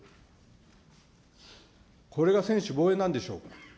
これが専守防衛なんでしょうか。